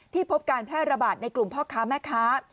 พบการแพร่ระบาดในกลุ่มพ่อค้าแม่ค้า